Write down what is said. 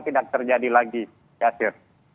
tidak terjadi lagi ya sir